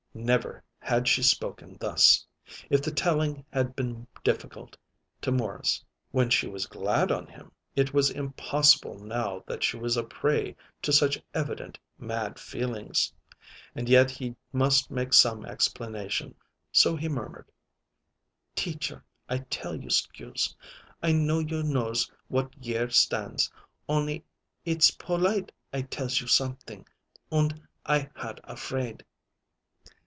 Never had she spoken thus. If the telling had been difficult to Morris when she was "glad on him," it was impossible now that she was a prey to such evident "mad feelings." And yet he must make some explanation. So he murmured: "Teacher, I tells you 'scuse. I know you knows what year stands, on'y it's polite I tells you something, und I had a fraid."